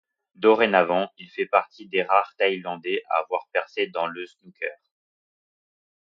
Dorénavant, il fait partie des rares Thaïlandais à avoir percé dans le snooker.